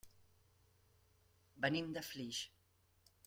Venim de Flix.